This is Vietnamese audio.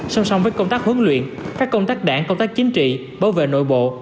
song song với công tác huấn luyện các công tác đảng công tác chính trị bảo vệ nội bộ